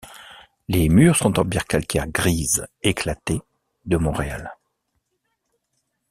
Les murs sont en pierre calcaire grise éclatée de Montréal.